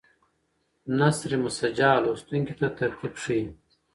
نثر مسجع لوستونکي ته ترتیب ښیي.